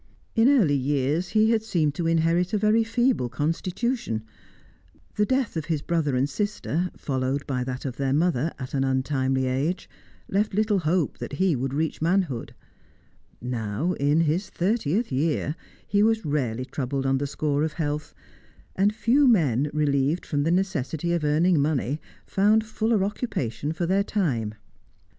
In early years he had seemed to inherit a very feeble constitution; the death of his brother and sister, followed by that of their mother at an untimely age, left little hope that he would reach manhood; now, in his thirtieth year, he was rarely troubled on the score of health, and few men relieved from the necessity of earning money found fuller occupation for their time.